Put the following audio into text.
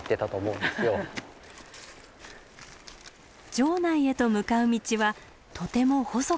城内へと向かう道はとても細くなっています。